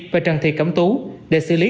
và trần thị cẩm tú để xử lý